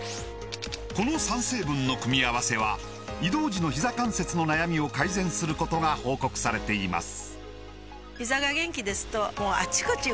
この３成分の組み合わせは移動時のひざ関節の悩みを改善することが報告されています